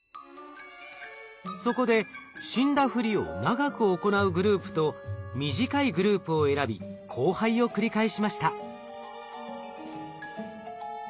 そこで死んだふりを長く行うグループと短いグループを選び交配を繰り返しました。